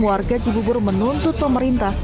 warga cibubur menuntut pemerintah